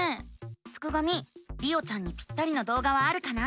すくがミりおちゃんにぴったりな動画はあるかな？